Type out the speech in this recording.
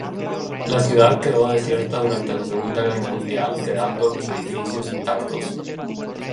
La ciudad quedó desierta durante la Segunda Guerra Mundial quedando los edificios intactos.